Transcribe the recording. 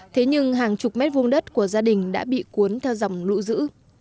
thế nhưng hàng chục mét vùng đất của gia đình đã bị cuốn theo dòng lũ giữ